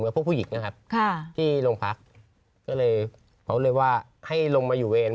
พวกผู้หญิงนะครับค่ะที่โรงพักก็เลยเขาเลยว่าให้ลงมาอยู่เวร